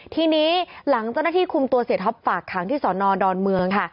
ที่นี้หลังเจ้าหน้าที่คุมตัวเศษฐพฝากทางที่สรดอนเมือง